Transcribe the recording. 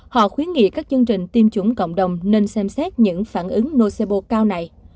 họ khuyến nghị các chương trình tiêm chủng cộng đồng nên xem xét những phản ứng nocibo cao này